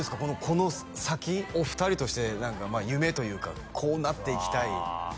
この先お二人として何か夢というかこうなっていきたい